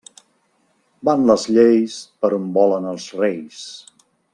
Van les lleis per on volen els reis.